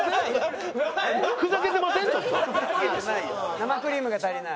生クリームが足りない？